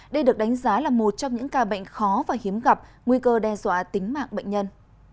đây được đánh giá là một trong những ca bệnh khó và hiếm gặp nguy cơ đe dọa tính mạng bệnh nhân